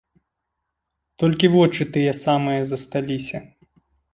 Толькі вочы тыя самыя засталіся.